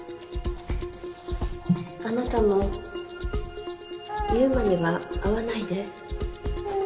あなたも優馬には会わないで。